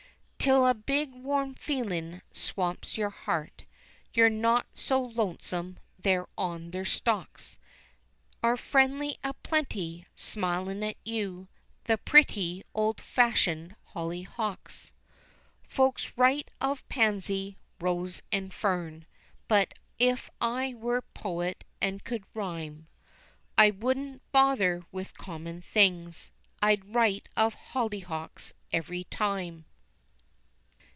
Till a big warm feelin' swamps your heart, You're not so lonesome, there on their stalks Are friends a plenty, smilin' at you, The pretty old fashioned hollyhocks. Folks write of pansy, rose, and fern, But if I was a poet an' could rhyme, I wouldn't bother with common things, I'd write of hollyhocks, every time.